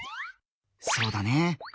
そうだね。